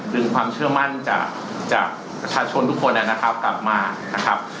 ดึงความเชื่อมั่นจากประชาชนทุกคนนะครับกลับมานะครับ